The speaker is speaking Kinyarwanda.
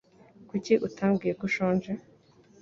Kuki utabwiye ko ushonje?